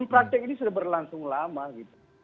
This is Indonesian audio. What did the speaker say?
praktek ini sudah berlangsung lama gitu